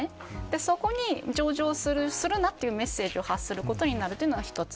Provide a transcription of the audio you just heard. そこに上場するなというメッセージを発することになるということが一つ。